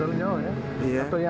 enggak di kampung banjar